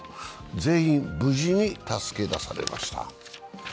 全員無事に助け出されました。